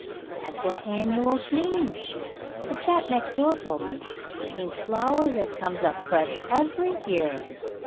That's what annuals means. The chap next door told me. It means flowers as comes up fresh every year.